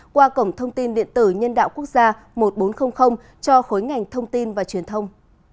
qua cổng thông tin điện tử nhân đạo quốc gia một nghìn bốn trăm linh cho khối ngành thông tin và truyền thông